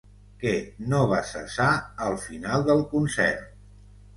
Què no va cessar al final del concert?